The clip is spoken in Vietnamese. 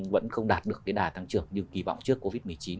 vẫn không đạt được cái đà tăng trưởng như kỳ vọng trước covid một mươi chín